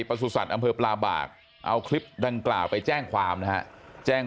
ประสุทธิ์อำเภอปลาบากเอาคลิปดังกล่าวไปแจ้งความนะฮะแจ้ง